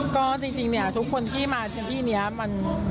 ก็จริงเนี่ยทุกคนที่มาที่นี้มัน